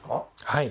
はい。